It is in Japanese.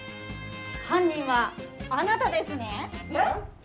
犯人はあなたですね。